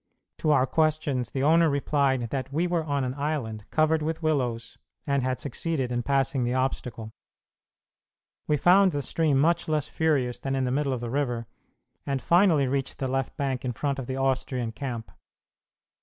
To our questions the owner replied that we were on an island covered with willows and had succeeded in passing the obstacle, we found the stream much less furious than in the middle of the river, and finally reached the left bank in front of the Austrian camp.